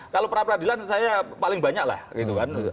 kalau peradilan saya paling banyak lah gitu kan